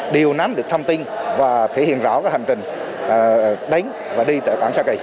đều nắm được thông tin và thể hiện rõ hành trình đánh và đi tại cảng sa kỳ